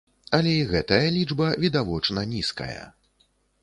Але і гэтая лічба відавочна нізкая.